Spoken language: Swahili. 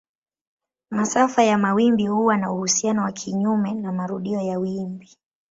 Masafa ya mawimbi huwa na uhusiano wa kinyume na marudio ya wimbi.